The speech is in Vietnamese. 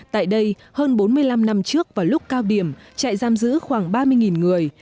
tại đây hơn bốn mươi năm năm trước vào lúc cao điểm trại giam giữ khoảng ba mươi người